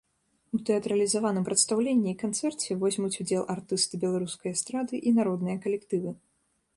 У тэатралізаваным прадстаўленні і канцэрце возьмуць удзел артысты беларускай эстрады і народныя калектывы.